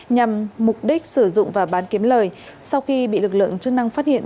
nhằm mục đích sử dụng và bán kiếm lời sau khi bị lực lượng chức năng phát hiện